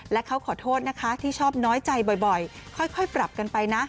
และเขาขอโทษนะคะที่ชอบน้อยใจบ่อยค่อยปรับกันไปนะ